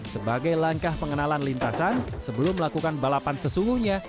sebagai langkah pengenalan lintasan sebelum melakukan balapan sesungguhnya